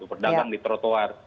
berdagang di trotoar